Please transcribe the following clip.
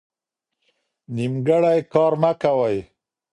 نیمګړی کار مه کوئ.